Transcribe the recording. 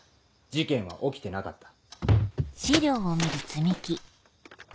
事件は起きてなかった。